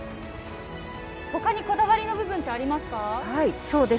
他にこだわりの部分はありますか。